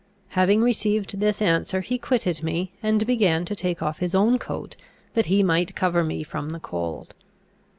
Having received this answer, he quitted me, and began to take off his own coat, that he might cover me from the cold.